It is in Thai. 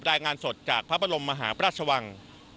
รายงานสดจากพระบรมมหาพระราชวัง